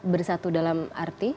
bersatu dalam arti